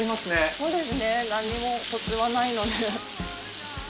そうですね何もコツはないので。